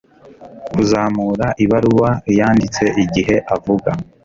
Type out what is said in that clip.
Kuzamura ibaruwa yanditse igihe avuga